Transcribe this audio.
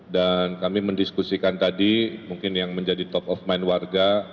dan kami mendiskusikan tadi mungkin yang menjadi top of mind warga